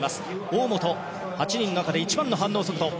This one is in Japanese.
大本、８人の中で１番の反応速度。